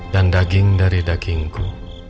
dan daging dari dagingku